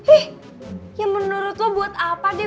ih ya menurut lu buat apa deh